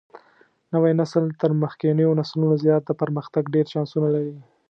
نوى نسل تر مخکېنيو نسلونو زيات د پرمختګ ډېر چانسونه لري.